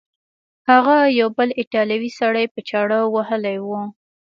هغه یو بل ایټالوی سړی په چاړه وهلی و.